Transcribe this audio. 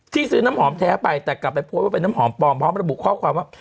ซื้อน้ำหอมแท้ไปแต่กลับไปโพสต์ว่าเป็นน้ำหอมปลอมพร้อมระบุข้อความว่า